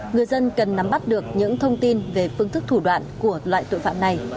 người dân cần nắm bắt được những thông tin về phương thức thủ đoạn của loại tội phạm này